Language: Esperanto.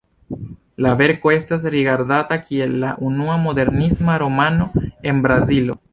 La verko estas rigardata kiel la unua "modernisma" romano en Brazilo.